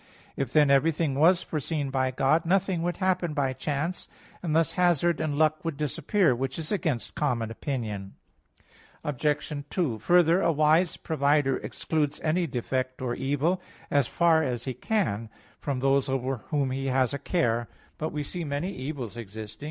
If then everything was foreseen by God, nothing would happen by chance. And thus hazard and luck would disappear; which is against common opinion. Obj. 2: Further, a wise provider excludes any defect or evil, as far as he can, from those over whom he has a care. But we see many evils existing.